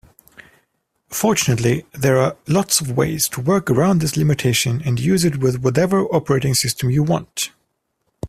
Fortunately, there are lots of ways to work around this limitation and use it with whatever operating system you want.